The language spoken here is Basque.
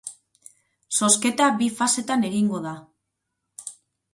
Zozketa bi fasetan egingo da.